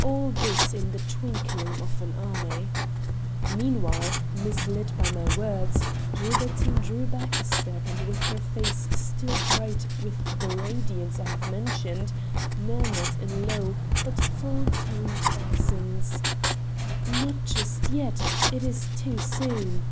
All this in the twinkling of an eye. Meanwhile, misled by my words, Gilbertine drew back a step and with her face still bright with the radiance I have mentioned, murmured in low, but full toned accents: "Not just yet! it is too soon.